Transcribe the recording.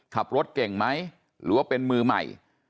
ขับรถเก่งไหมหรือว่าเป็นมือใหม่